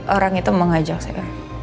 orang itu mengajak saya